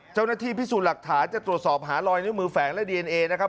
เจ้าหน้าที่พิสูจน์หลักฐานจะตรวจสอบหารอยนิ้วมือแฝงและดีเอนเอนะครับ